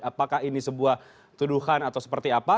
apakah ini sebuah tuduhan atau seperti apa